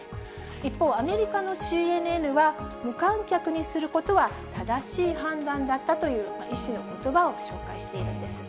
一方、アメリカのＣＮＮは、無観客にすることは正しい判断だったという、医師のことばを紹介しているんです。